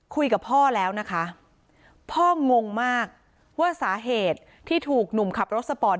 คุยกับพ่อแล้วนะคะพ่องงมากว่าสาเหตุที่ถูกหนุ่มขับรถสปอร์ต